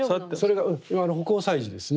それが葆光彩磁ですね。